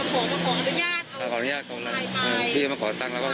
ขอขออนุญาตขออนุญาตขออนุญาตที่มาขอตังค์แล้วก็ไป